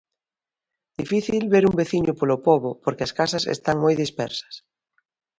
Difícil ver un veciño polo pobo porque as casas están moi dispersas.